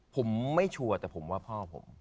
ผมไม่ชัวร์แต่ผมว่าพ่อผม